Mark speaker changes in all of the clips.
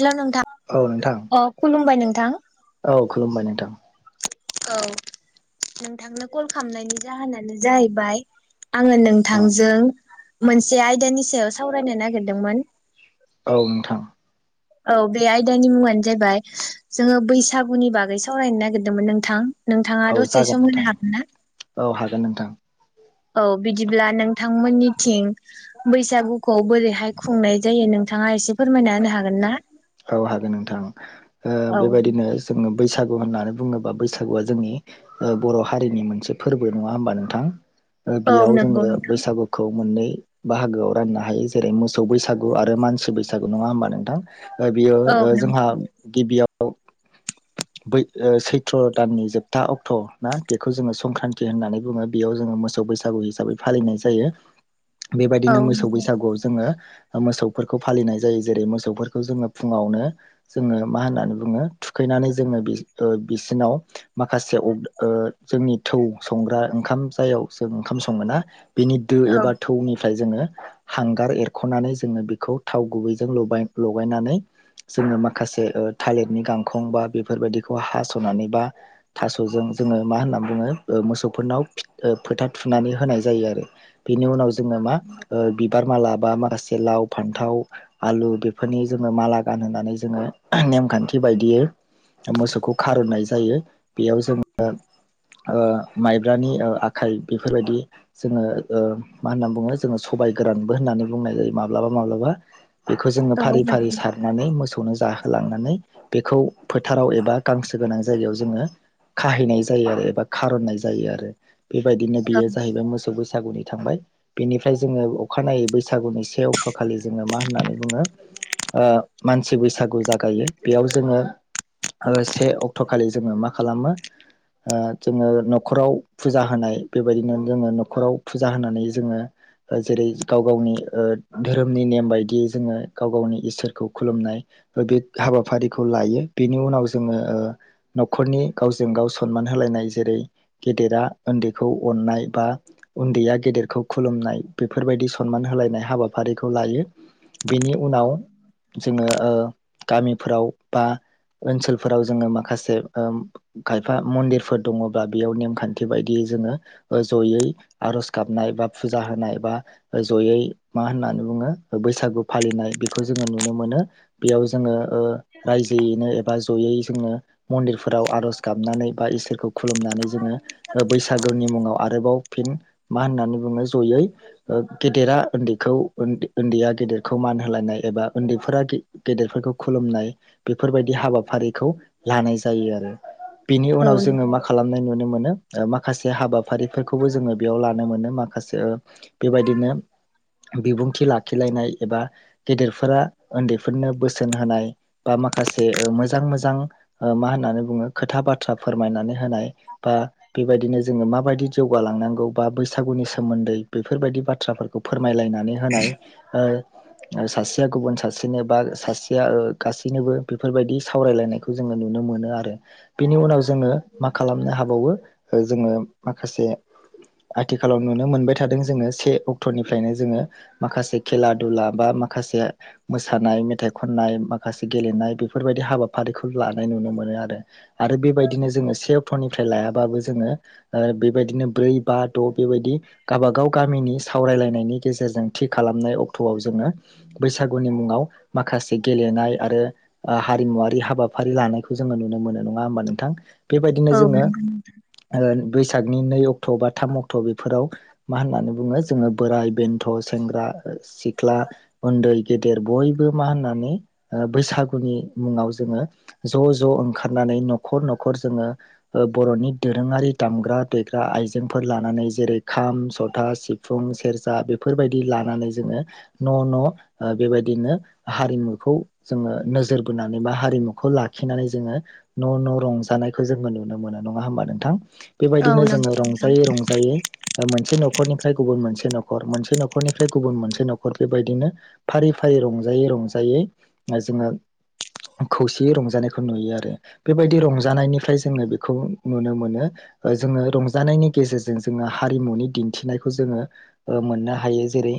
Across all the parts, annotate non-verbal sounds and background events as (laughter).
Speaker 1: हेल' नोंथां
Speaker 2: औ नोंथां
Speaker 1: अ खुलुमबाय नों थां।
Speaker 2: औ खुलुमबाय नोंथां।
Speaker 1: औ नोंथांनो कल खालामनायनि जाहोनानो जाहैबाय आङो
Speaker 2: औ
Speaker 1: नोंथांजों मोनसे आयदानि सायाव सावरायनो नागिरदोंमोन।
Speaker 2: औ नोंथां।
Speaker 1: औ बे आयदानि मुङानो जाहबाय जोङो बैसागुनि बागै सावरायनो नागिरदोंमोन नोंथां‌। नोंथाङा
Speaker 2: औ
Speaker 1: दसे सम होनो हागोन ना?
Speaker 2: थां।
Speaker 1: औ बिदिब्ला नोंथांमोननिथिं बैसागुखौ बोरैहाय खुंनाय जायो नोंथाङा एसे फोरमायना होनो हागोन ना?
Speaker 2: औ हागोन नोंथां। ओ
Speaker 1: औ
Speaker 2: बेबायदिनो जोङो बैसागु होननानै बुङोबा बैसागुआ जोंनि ओ बर' हारिनि मोनसे फोरबो नङा होमबा नोंथां। ओ
Speaker 1: औ
Speaker 2: बेयाव
Speaker 1: नंगौ
Speaker 2: जोङो
Speaker 1: नोंथां
Speaker 2: बैसागुखौ। मोननै बाहागोआव राननो हायो जेरै मोसौ बैसागु आरो मानसि बैसागु नङा होमबा नोंथां। बियो
Speaker 1: औ
Speaker 2: ओ जोंहा
Speaker 1: नंगौ
Speaker 2: गिबियाव औ बै सैथ्र' दाननि जोबथा अक्ट' ना बेखौ जोङो संक्रान्ति होननानै बुङो बेयाव जोङो मोसौ बैसागु हिसाबै फालिनाय जायो
Speaker 1: औ
Speaker 2: बेबायदिनो मोसौ
Speaker 1: नंगौ
Speaker 2: बैसागुआव जोङो मोसौफोरखौ फालिनाय जायो जेरै मोसौफोरखौ जोङो फुङावनो जोङो मा होननानै बुङो थुखैनानै जोङो बिसिरनाव माखासे जोंनि थौ संग्रा ओं ओंखाम जाययाव जों ओंखाम सङोना बिनि दो
Speaker 1: औ
Speaker 2: एबा थौनि जोङो हांगार एरखनानै जोङो बिखौ थाव गुबैजों लगाय-लगायनानै जोङो माखासे ओ थालिरनि गांखं बा बेफोरबायदिखौ हास'नानै बा थास'जों जोङो मा होनना बुङो ओ मोसौफोरनाव फोथा थुनानै होनाय जायो आरो। बेनि उनाव जोङो मा ओ बिबार माला बा माखासे लाव फान्थाव आलु बेफोरनि जोङो माला गानहानै जोङो नेमखान्थि बायदियै मोसौखौ खारुननाय जायो बेयाव जोङो ओ-माइब्रानि ओ-आखाइ बेफोरबायदि जोङो ओ-मा होनना बुङो जोङो सबायाइ गोरानबो होननानै बुंनाय जायो माब्लाबा माब्लाबा बेखौ जोङो
Speaker 1: औ
Speaker 2: फारि
Speaker 1: नंगौ
Speaker 2: फारि
Speaker 1: नोंथां
Speaker 2: सारनानै मोसौनो जा होलांनानै बेखौ फोथाराव एबा गांसो गोनां जायगायाव जोङो खाहैनाय जायो आरो एबा खारननाय जायो आरो। बेबायदिनो बेयो जाहैबाय मोसौ बैसागुनि थांबाय बेनिफ्राय जोङो अखानायै बैसागुनि से अक्ट' खालि जोङो मा होननानै बुङो ओ- मानसि बैसागु जागायो बेयाव जोङो से अक्ट' खालि जोङो मा खालामो ओ-जोङो न'खराव फुजा होनाय बेबायदिनो जोङो न'खराव फुजा होनानै जोङो जेरै गाव गावनि ओ-धोरोमनि नेम बायदियै जोङो गाव गावनि इसोरखौ खुलुमनाय बे हाबाफारिखौ लायो। बिनि उनाव जोङो ओ- न'खरनि गावजों गाव सनमान होलायनाय जेरै गेदेरा उन्दैखौ अननाय बा उन्दैया गेदेरखौ खुलुमनाय बेफोरबायदि सनमान होलायनाय हाबाफारिखौ लायो। बेनि उनाव
Speaker 1: औ
Speaker 2: जोङो ओ गामिफोराव बा ओनसोलफोराव जोङो ओ- माखासे खायफा मन्दिरफोर दङब्ला बेयाव नेमखान्थि बायदियै जोङो ओ-जयै आरज गाबनाय बा फुजा होनाय बा जयै मा होननानै बुङो बैसागु फालिनाय बेखौ जोङो नुनो मोनो बेयाव जोङो ओ- रायजोयैनो बा जयै जोङो मानदिराव आर'ज गाबनानै बा इसोरखौ खुलुमनानै जोङो ओ-बैसागुनि मुङाव आरोबाव फिन मा होननानै बुङो जयै ओ-गेदेरा उन्दैखौ उन्दैआ गेदेरखौ मान होलायनाय एबा उन्दैफोरा गेदेरफोरखौ खुलुमनाय बेफोरबायदि हाबा हाबाफारिखौ लानाय जायो आरो। बिनि उनाव
Speaker 1: औ
Speaker 2: जोङो मा खालामनाय नुनो मोनो? ओ- माखासे हाबाफारिफोरखौबो जोङो बेयाव लानो मोनो माखासे बेबायदिनो बिबुंथि लाखिलायनाय एबा गेदेरफोरा उन्दैफोरनो बोसोन होनाय बा माखासे ओ- मोज मोजां मोजां ओ-मा होननानै बुङो खोथा बाथ्रा फोरमायनानै होनाय बा बेबायदिनो जोङो माबायदि जौगालांनांगौ बा बैसागुनि सोमोन्दै बेफोरबायदि बाथ्राफोरखौ फोर फोरमायलायनानै होनाय ओ- सासेया गुबुन सासेनो बा सासेया ओ-गासैनोबो बेफोरबायदि सावरायलायनायखौ जोङो नुनो मोनो आरो। बेनि उनाव ओ-जोङो मा खालामनो हाबावो ओ-जोङो माखासे आथिखालाव नुनो मोनबाय थादों जोङो से अक्ट'निफ्रायनो जोङो माखासे खेला-दुला बा माखासे मोसानाय मेथाइ खननाय माखासे गेलेनाय बेफोरबायद - हाबाफारिखौ लानाय नुनो मोन आरो आरो बेबायदिनो जोङो से अक्ट'निफ्राय लायाबाबो जोङो ओ-बेबायदिनो ब्रै बा द' बेबायदि गावाबागाव गामिनि सावरायलायनायनि गेजेरजों थि खालामनाय अक्ट'आव जोङो बैसागुनि मुङाव माखासे गेलेनाय आरो मुवारि हाबाफारि लानायखौ जोङो नुनो मोन नङा होमबा नोंथां? बेबायदिनो
Speaker 1: औ
Speaker 2: जोङो
Speaker 1: नंगौ
Speaker 2: ओ बैसागनि नै अक्ट' बा थाम अक्ट' बेफोराव मा होननानै बुङो जोङो बोराइ बेन्थ' सेंग्रा सिख्ला ओन्दै गेदेर बयबो मा होननानै ओ-बैसागुनि मुङाव जोङो ज' ज' ओंखारनानै न'खर न'खर जोङो ओ- बर'नि दोरोङारि दामग्रा देग्रा आइजेंफोर लानानै जेरै खाम सथा सिफुं सेरजा बेफोरबायदि लानानै जोङो न' न' ओ- बेबायदिनो हारिमुखौ जोङो नोजोर। बोनानै बा हारिमुखौ लाखिनानै जोङो न' न' रंजानायखौ जोङो नुनो मोनो। नङा होमबा नोंथां? बेबायदिनो जोङो
Speaker 1: नोंथां
Speaker 2: रंजायै रंजायै ओ-मोनसे न'खरनिफ्राय गुबुन मोनसे न' खर मोनसे न'खरनिफ्राय गुबुन मोनसे न'खर बेबायदिनो फारि फारि रंजायै रंजायै जोङो। खौसेयै रंजानायखौ नुयो आरो बेबायदि रंजानायनिफ्राय जोङो बेखौ नुनो मोनो ओ- जोङो रंजानायनि गेजेरजों जोङो हारिमुनि दिन्थिनायखौ जोङो ओ-मोननो हायो जेरै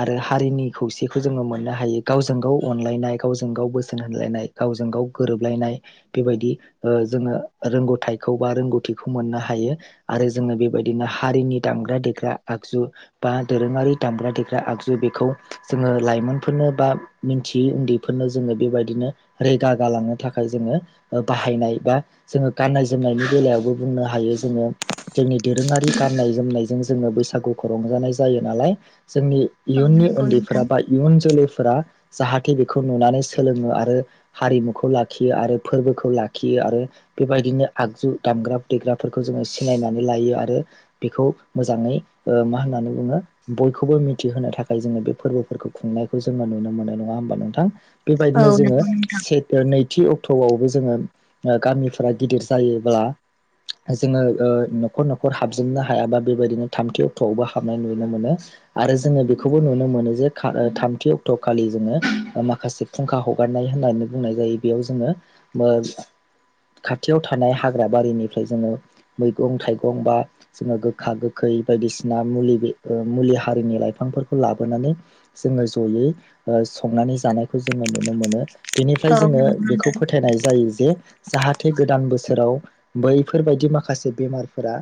Speaker 2: आरो हारिनि खौसेखौ जोङो मोननो हायो गावजों गाव अनलायनाय गावजों गाव बोसो बोसोन होनलायनाय गावजों गाव गोरोबलायनाय बेबायदि ओ- जोङो रोंगौथायखौ बा रोंगौथिखौ मोननो हायो आरो जोङो बेबायदिनो हारिनि दामग्रा देग्रा आगजु बा दोरोङारि दामग्रा देग्रा आगजु बेखौ जोङो लाइमोनफोरनो बा मिथियै उन्दैफोरनो जोङो बेबायद दिनो रैगा गालांनो थाखाय जोङो बाहायनाय बा जोङो गाननाय जोमनायनि बेलायावबो बुंनो हायो जोङो जोंनि दोरोङारि गाननाय जोमनायजों जोङो बैसागुखौ रंजानाय जायो नालाय। जोंनि
Speaker 1: औ
Speaker 2: इयुननि
Speaker 1: नंगौ नोंथां
Speaker 2: उन्दैफ्रा बा इयुन जोलै। फोरा जाहाथे बेखौ नुनानै सोलोङो आरो। आरो हारिमुखौ लाखियो आरो फोरबोखौ लाखियो आरो बेबायदिनो आगजु दामग्रा देग्राफोरखौ जोङो सिनायनानै लायो आरो बेखौ मोजाङै ओ मा होननानै बुङो बयखौबो मिथिहोनो थाखाय जोङो बेफोर फोरबोफोरखौ खुंनायखौ जोङो नुनो मोनो नङा होमबा नोंथां।
Speaker 1: औ
Speaker 2: बेबायदिनो जोङो।
Speaker 1: नंगौ नोंथां
Speaker 2: से ओ नै थि अक्ट'आवबो जोङो गामिफोरा गिदिर जायोब्ला जोङो ओ न'खर न'खर हाबजोबनो हायाबा बेबायदिनो थामथि अक्ट'आवबो हाबनाय नुनो मोनो आरो जोङो बेखौबो नुनो मोनो जे थामथि अक्ट' खालि जोङो माखासे फुंखा हगार नाय होननानै बुंनाय जायो बेयाव जोङो खाथियाव थानाय हाग्रा बारिनिफ्राय जोङो मैगं थाइगं बा जोङो गोखा गोखै बायदिसिना मुलि मुलि हारिनि लाइफांफोरखौ लाबोनानै जोङो जयै संनानै जानायखौ जोङो नुनो मोनो। (inaudible) बेनिफ्राय
Speaker 1: औ
Speaker 2: जोङो
Speaker 1: नंगौ
Speaker 2: बेखौ
Speaker 1: नोंथां
Speaker 2: फोथायनाय जायो जे जाहाथे गोदान बोसोराव बैफोरबायदि माखासे बेमारफोरा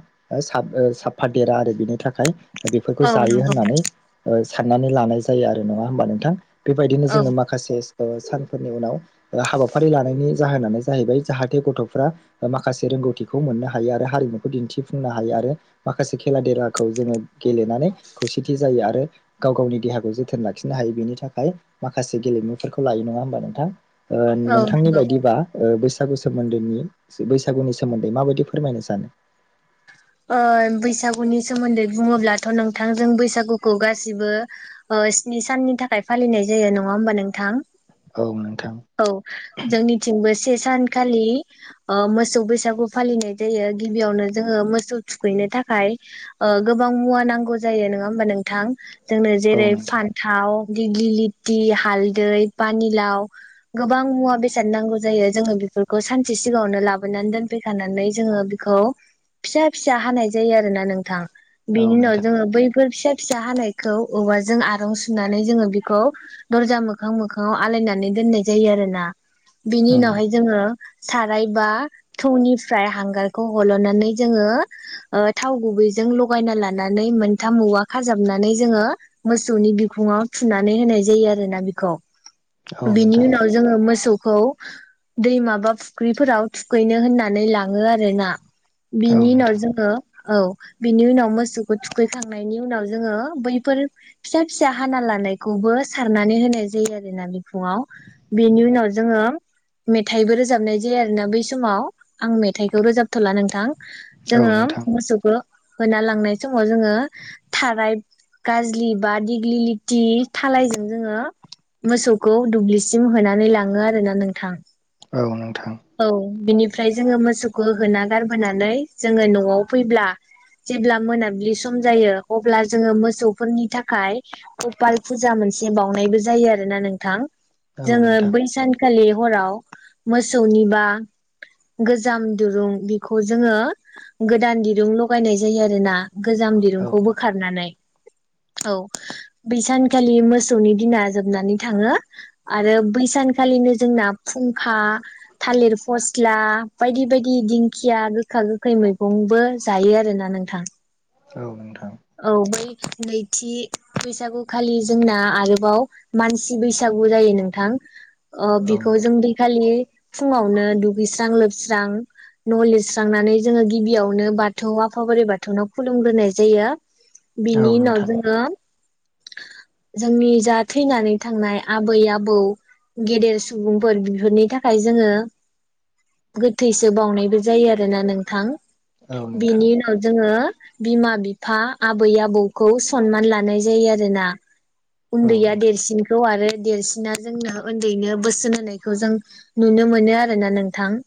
Speaker 2: साब साफादेरा आरो बिनि थाखाय बेफोरखौ
Speaker 1: औ नंगौ नोंथां औ
Speaker 2: जायो
Speaker 1: नंगौ
Speaker 2: होननानै ओ साननानै लानाय जायो आरो नङा होमबा नोंथां। बेबायदिनो
Speaker 1: औ
Speaker 2: जोङो माखासे ओ सान फोरनि उनाव हाबाफारि लानायनि जाहोनानो जाहैबाय जाहाथे गथ'फ्रा माखासे रोंगौथिखौ मोननो हायो आरो हारिमुखौ दिन्थिफुंनो हायो आरो माखासे खेला देलाखौ जोङो गेलेनानै खौसेथि जायो आरो गाव गावनि देहाखौ जोथोन लाखिनो हायो बेनि थाखाय माखासे गेलेमुफोरखौ लायो नङा होमबा। नोंथां। ओ
Speaker 1: औ
Speaker 2: नोंथांनि
Speaker 1: नंगौ
Speaker 2: बायदिबा ओ बैस सागु सोमोन्दैनि बैसागुनि सोमोन्दै माबायदि फोरमायनो सानो नोंथां।
Speaker 1: ओ बैसागुनि सोमोन्दै बुङोब्लाथ' नोंथांजों बैसागुखौ गासिबो ओ स्नि साननि थाखाय फालिनाय जायो नङा होमबा नोंथां।
Speaker 2: औ नोंथां
Speaker 1: औ जोंनिथिंबो से सान खालि ओ मोसौ बैसागु फालिनाय जायो गिबियावनो जोङो मो सौ थुखैनो थाखाय ओ गोबां मुवा नांगौ जायो नङा होमबा नोंथां जोंनो
Speaker 2: औ
Speaker 1: जेरै
Speaker 2: नोंथां
Speaker 1: फान्थाव दिग्लि लिथि हालदै पानिलाव गोबां मुवा बेसाद नांगौ जायो जोङो बेफोरखौ सानसे सिगाङावनो लाबोनानै दोनफैखानानै जोङो बेखौ फिसा फिसा हानाय जायो आरोना नोंथां।
Speaker 2: औ
Speaker 1: बिनि उनाव
Speaker 2: नोंथां
Speaker 1: जोङो बैफोर फिसा फिसा हानायखौ औवाजों आरं सुनानै जोङो बेखौ दरजा मोखां मोखाङाव आलायनानै दोननाय जायो आरो ना। बिनि
Speaker 2: उम
Speaker 1: उनावहाय जोङो सारायबा थौनिफ्राय हांगारखौ हल'नानै जोङो ओ थाव गुबैजों लगायना लानानै मोनथाम औवा खाजाबनानै जोङो मोसौनि बिखुङाव थुनानै होनाय जायो आरो ना बेखौ
Speaker 2: औ
Speaker 1: बिनि
Speaker 2: नोंथां
Speaker 1: उनाव जोङो मोसौ खौ दैमाबा फुख्रिफोराव थुखैनो होननानै लाङो आरो ना
Speaker 2: औ
Speaker 1: बिनि उनाव
Speaker 2: नोंथां
Speaker 1: जोङो औ बिनि उनाव मोसौखौ थुखैखांनायनि उनाव जोङो बैफोर फिसा फिसा हाना लानायखौबो सारनानै होनाय जायो आरोना बिफुङाव बेनि उनाव जोङो मेथाइबो रोजाबनाय जायो आरोना बै समाव आं मेथाइखौ रोजाबथ'ला नोंथां।
Speaker 2: औ
Speaker 1: जोङो
Speaker 2: नोंथां
Speaker 1: मोसौखौ होना लांनाय समाव जोङो थाराय गाजलि बा दिग्लि लिथि थालायजों जोङो मोसौखौ दुब्लिसिम होनानै लाङो आरोना नोंथां।
Speaker 2: औ नोंथां
Speaker 1: औ बिनि ओमफ्राय जोङो मोसौखौ होना गारबोनानै नानै जोङो न'आव फैब्ला जेब्ला मोनाबिलि सम जायो अब्ला जोङो मोसौफोरनि थाखाय गपाल फुजा मोनसे बावनायबो जायो आरोना नोंथां
Speaker 2: औ नोंथां औ
Speaker 1: जोङो
Speaker 2: नोंथां
Speaker 1: बै सानखालि हराव मोसौनि बा गोजाम दुरुं बि खौ जोङो गोदान दिरुं लगायनाय जायो आरो ना गोजाम दिरुंखौ बोखारनानै औ बैसानखालि मोसौनि दिना जोबनानै थाङो आरो बैसानखालिनो जोंना फुंखा थालिर फस्ला बायदि बायदि या गोखा गोखै मैगंबो जायो आरो ना नोंथां
Speaker 2: औ नोंथां
Speaker 1: औ बै नैथि बैसागु खालि जोंना आरोबाव मानसि बैसागु जायो नोंथां अ
Speaker 2: औ
Speaker 1: बिखौ
Speaker 2: नोंथां
Speaker 1: जों दै खालि फुङावनो दुगैस्रां लोबस्रां न' लिरस्रांनानै जोङो गिबियावनो बाथौ आफा बोराइ बाथौनाव खुलुमग्रोनाय जायो
Speaker 2: औ
Speaker 1: बिनि उनाव
Speaker 2: नोंथां
Speaker 1: जोङो जोंनि जा थैनानै थांनाय आबै आबौ गेदेर सुबुंफोर बेफोरनि थाखाय जोङो गोथैसो बावनायबो जायो आरोना नोंथां
Speaker 2: औ
Speaker 1: बेनि
Speaker 2: नोंथां
Speaker 1: उनाव जोङो बिमा बिफा आबै आबौखौ सनमान लानाय जायो आरोना
Speaker 2: औ
Speaker 1: उन्दैया
Speaker 2: नोंथां
Speaker 1: देरसिनखौ आरो देरसिना जोंनो उन्दैनो बोसोन होनायखौ जों नुनो मोनो आरो ना नोंथां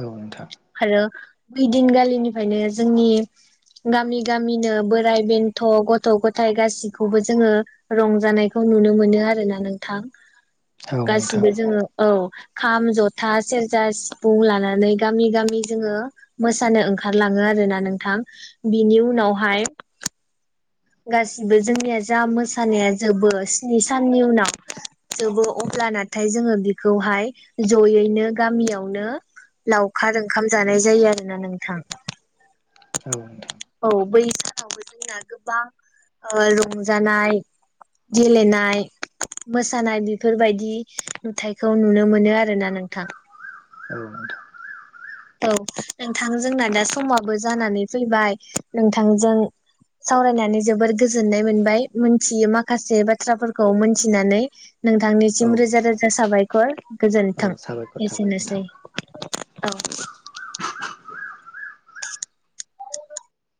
Speaker 2: औ नोंथां
Speaker 1: ओइदिनगालिनिफ्रायनो जोंनि गामि गामिनो बोर बोराइ बेन्थ' गथ' गथाइ गासिखौबो जोङो रंजानायखौ नुनो मोनो आरोना नोंथां
Speaker 2: औ नोंथां
Speaker 1: गासिबो जोङो औ खाम जथा सेरजा सिफुं लानानै गामि गामि जोङो मोसानो ओंखारलाङो आरोना नोंथां बिनि उनावहाय गासिबो जोंनिया जा मोसानाया जोबो स्नि साननि उनाव जोबो अब्ला नाथाय जोङो बिखौहाय जयैनो गामियावनो लावखार ओंखाम जानाय जायो आरोना नोंथां
Speaker 2: औ नोंथां
Speaker 1: औ बै जोंना गोबां रंजानाय गेलेनाय मोसानाय बेफोरबायदि नुथाइखौ नुनो मोनो आरोोना नोंथां
Speaker 2: औ
Speaker 1: औ नोंथां जोंना दा समाबो जानानै फैबाय नोंथांजों सावरायनानै जोबोर गोजोननाय मोनबाय मोनथियि माखासे बाथ्राफोरखौ मोनथिनानै नोंथांनिसिम
Speaker 2: औ
Speaker 1: रोजा
Speaker 2: नोंथां
Speaker 1: रोजा साबायखर गोजोन्थों
Speaker 2: औ साबायखर थाबाय नोंथां
Speaker 1: एसेनोसै औ